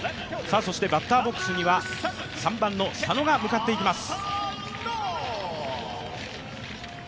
バッターボックスには３番の佐野が向かっていきます。